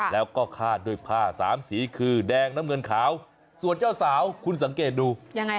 แล้วก็คาดด้วยผ้าสามสีคือแดงน้ำเงินขาวส่วนเจ้าสาวคุณสังเกตดูยังไง